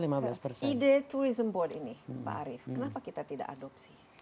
ide tourism board ini pak arief kenapa kita tidak adopsi